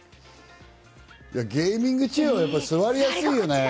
ゲーミングチェアはやっぱり座りやすいよね。